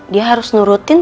dia harus nurutin